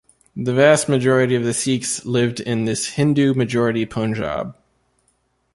The vast majority of the Sikhs lived in this Hindu-majority Punjab.